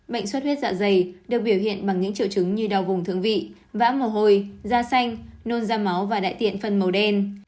bệnh suất huyết dạ dày được biểu hiện bằng những triệu chứng như đau vùng thượng vị vã mồ hôi da xanh nôn da máu và đại tiện phân màu đen